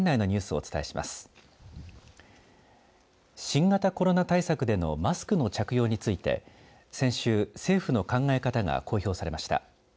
新型コロナ対策でのマスクの着用について先週、政府の考え方が公表されました。